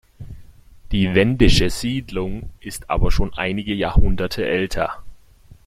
Die wendische Siedlung ist aber schon einige Jahrhunderte älter.